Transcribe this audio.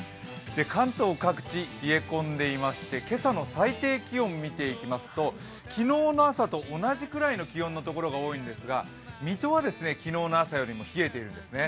関東各地、冷え込んでいまして今朝の最低気温見ていきますと、昨日の朝と同じくらいの気温の所が多いんですが、水戸は昨日の朝よりも冷えているんですね。